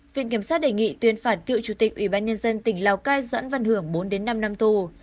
viện kiểm sát đề nghị tuyên phạt cựu chủ tịch ủy ban nhân dân tỉnh lào cai doãn văn hưởng bốn năm năm tù